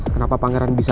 kenapa pangeran bisa